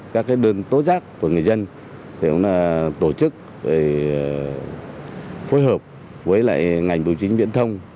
các đơn tố giác của người dân tổ chức phối hợp với ngành vụ chính viễn thông